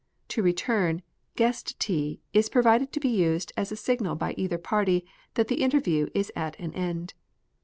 To return, " guest tea" is provided to be used as a signal by either party that the interview is at an end.